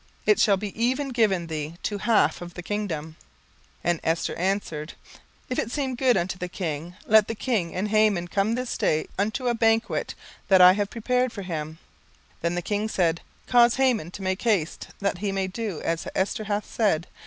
it shall be even given thee to the half of the kingdom. 17:005:004 And Esther answered, If it seem good unto the king, let the king and Haman come this day unto the banquet that I have prepared for him. 17:005:005 Then the king said, Cause Haman to make haste, that he may do as Esther hath said.